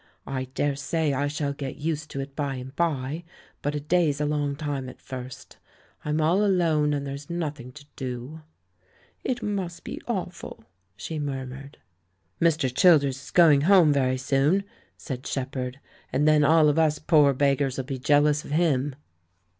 I daresay I shall get used to it by and by, but a day's a long time at first; I'm all alone, and there's nothing to do." THE LAURELS AND THE LADY 113 ' It must be awful," she murmured. "Mr. Childers is going Home very soon," said Shepherd, "and then all of us poor beggars'U be jealous of him."